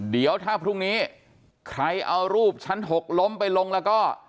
เดี๋ยวถ้าพรุ่งนี้ใครเอารูปชั้น๖ล้มไปลงแล้วก็